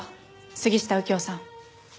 杉下右京さん。